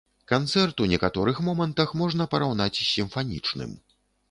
Канцэрт ў некаторых момантах можна параўнаць з сімфанічным.